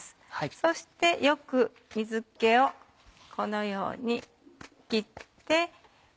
そしてよく水気をこのように切ってのせます。